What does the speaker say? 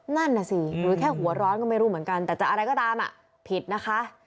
นั่นน่ะสิหรือแค่หัวร้อนก็ไม่รู้เหมือนกันแต่จะอะไรก็ตามผิดนะคะ